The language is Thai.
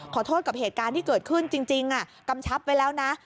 ขอโทษกับเหตุการณ์ที่เกิดขึ้นจริงกำชับไว้แล้วนะ